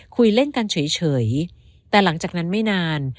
คุยเล่นกันเฉยแต่หลังจากนั้นไม่นาน